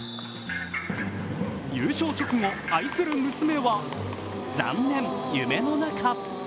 優勝直後、愛する娘は残念、夢の中。